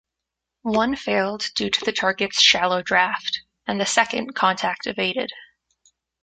One failed due to the target's shallow draft; and the second contact evaded.